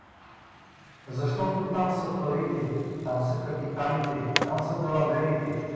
Защото там са парите, там са капиталите, там са далаверите!